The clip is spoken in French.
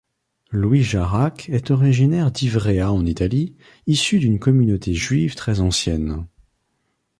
Louis Jarach est originaire d'Ivrea en Italie, issue d'une communauté juive très ancienne.